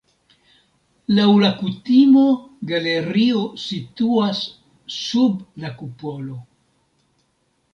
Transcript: Laŭ la kutimo galerio situas sub la kupolo.